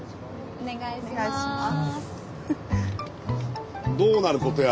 お願いします。